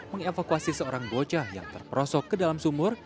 mengevakuasi seorang bocah yang terperosok ke dalam sumur